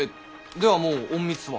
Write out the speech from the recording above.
ではもう隠密は。